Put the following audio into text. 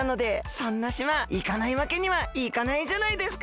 そんな島いかないわけにはいかないじゃないですか！